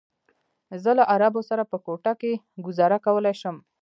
زه له عربو سره په کوټه کې ګوزاره کولی شم.